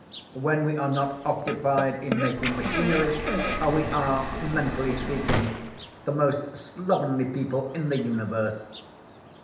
When we are not occupied in making machinery, we are (mentally speaking) the most slovenly people in the universe."